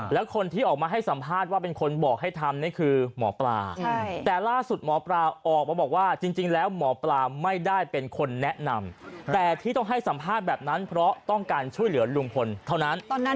และคนที่ออกมาให้สัมภาษณ์ว่าเป็นคนบอกให้ทำนี่คือหมอปลา